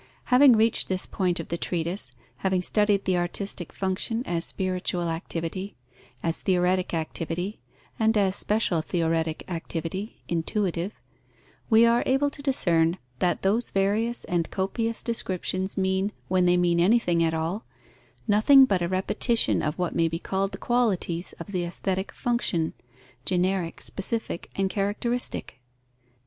Having reached this point of the treatise, having studied the artistic function as spiritual activity, as theoretic activity, and as special theoretic activity (intuitive), we are able to discern that those various and copious descriptions mean, when they mean anything at all, nothing but a repetition of what may be called the qualities of the aesthetic function, generic, specific, and characteristic.